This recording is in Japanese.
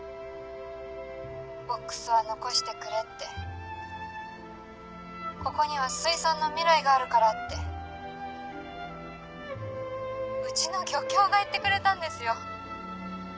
「ボックスは残してくれ」って「ここには水産の未来があるから」ってうちの漁協が言ってくれたんですよ。